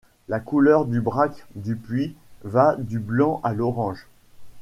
La couleur du Braque du Puy va du blanc à l'orange.